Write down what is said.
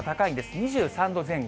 ２３度前後。